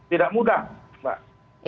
tidak mudah pak